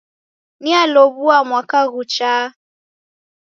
Nialow'ua mwaka ghuchagha